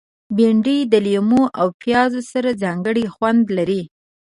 بېنډۍ د لیمو او پیاز سره ځانګړی خوند لري